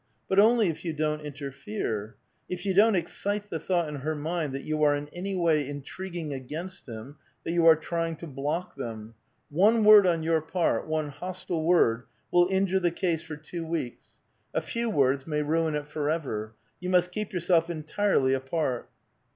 But only if you don't in terfere ; if you don't excite the thought in her mind that you are in any way intriguing against him, that you are trying to block them. One word on your part, one hostile word, will injure the case for two weeks ; a few words maj' ruin it forever You must keep yourself entirely apart."